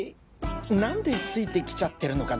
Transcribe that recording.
なんでついてきちゃってるのかな。